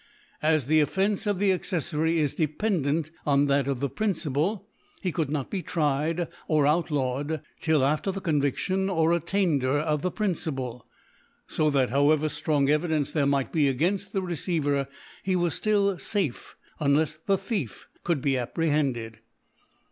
As the Offence of the Acceilaryjs de pendant on that of the Principal, he could not be cried or out Jawed, till after the £ba i4Aioti or Attainder of the Priaqpal.; So that however ftrong Eridence there nnighe be againft the. Receiver, he was (till ikfe, un kfs me Thief could be apprehended.